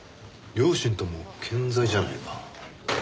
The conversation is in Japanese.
両親とも健在じゃないか。